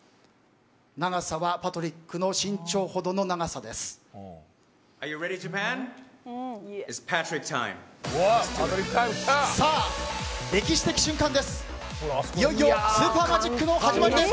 長さはパトリックの身長ほどの長さです。